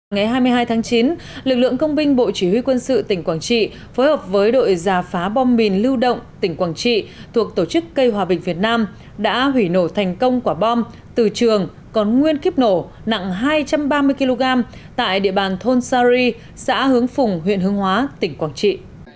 ngày hai mươi hai tháng chín lực lượng công binh bộ chỉ huy quân sự tỉnh quảng trị phối hợp với đội giả phá bom mìn lưu động tỉnh quảng trị thuộc tổ chức cây hòa bình việt nam đã hủy nổ thành công quả bom từ trường còn nguyên kiếp nổ nặng hai trăm ba mươi kg tại địa bàn thôn sari xã hướng phùng huyện hương hóa tỉnh quảng trị